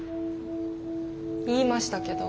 言いましたけど。